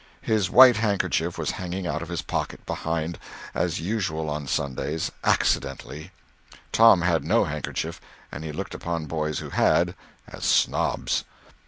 His white handkerchief was hanging out of his pocket behind, as usual on Sundays—accidentally. Tom had no handkerchief, and he looked upon boys who had as snobs.